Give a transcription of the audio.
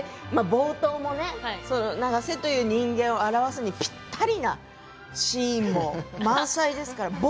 冒頭も永瀬という人間を表すにぴったりなシーンも満載ですから。